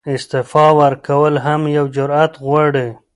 استعفاء ورکول هم یو جرئت غواړي.